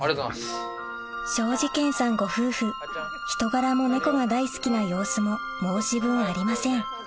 庄司見さんご夫婦人柄もネコが大好きな様子も申し分ありません